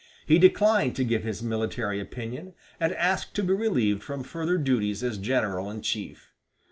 He declined to give his military opinion, and asked to be relieved from further duties as general in chief.